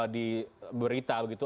di berita begitu